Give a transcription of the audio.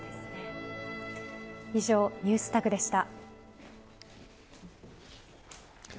以上、ＮｅｗｓＴａｇでした。